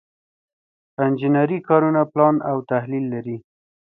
انجنري کارونه پلان او تحلیل لري.